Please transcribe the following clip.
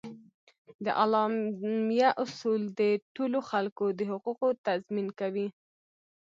د اعلامیه اصول د ټولو خلکو د حقوقو تضمین کوي.